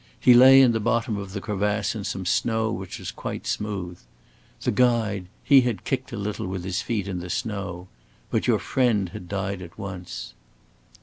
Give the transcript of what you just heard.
He lay in the bottom of the crevasse in some snow which was quite smooth. The guide he had kicked a little with his feet in the snow but your friend had died at once."